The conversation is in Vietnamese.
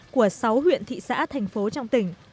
của sáu huyện thị xã thành phố trong tỉnh